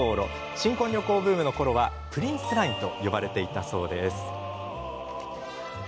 新婚旅行ブームのころはプリンスラインと呼ばれていたそうです。